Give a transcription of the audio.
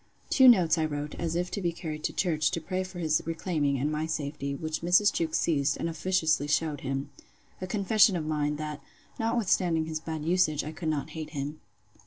Two notes I wrote, as if to be carried to church, to pray for his reclaiming, and my safety; which Mrs. Jewkes seized, and officiously shewed him. A confession of mine, that, notwithstanding his bad usage, I could not hate him.